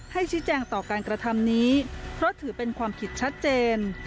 ชี้แจงต่อการกระทำนี้เพราะถือเป็นความผิดชัดเจน